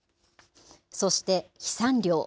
そして飛散量。